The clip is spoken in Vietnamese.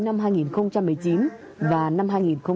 năm hai nghìn một mươi chín và năm hai nghìn hai mươi